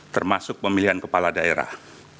termasuk pemilihan kepala daerah